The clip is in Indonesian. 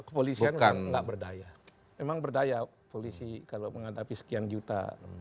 kepolisian kan nggak berdaya memang berdaya polisi kalau menghadapi sekian juta